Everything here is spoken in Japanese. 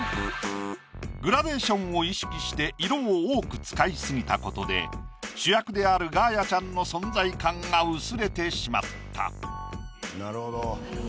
グラデーションを意識して色を多く使い過ぎたことで主役であるガーヤちゃんの存在感が薄れてしまった。